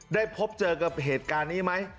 ได้พบเจอกับเหตุการณ์นี้ไหม